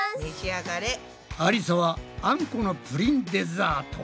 ありさはあんこのプリンデザート。